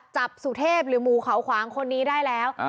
สุเทพหรือหมูเขาขวางคนนี้ได้แล้ว